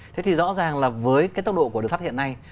thế thì rõ ràng là với cái tốc độ của đường sắt hiện nay